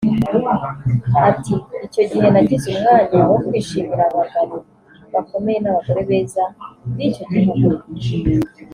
Ati ‘‘Icyo gihe nagize umwanya wo kwishimira abagabo bakomeye n’abagore beza b’icyo gihugu